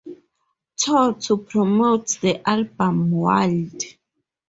Tour" to promote the album "Wild!".